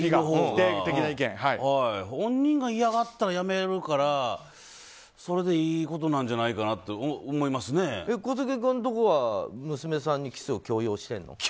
本人が嫌がったらやめるからそれでいいことなんじゃないかなと小杉君のところは娘さんにキスを強要してるの？